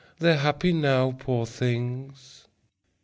They're happy now, poor things.